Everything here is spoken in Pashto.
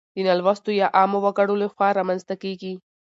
د نالوستو يا عامو وګړو لخوا رامنځته کيږي.